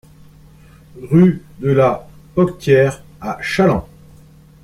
Rue de la Poctière à Challans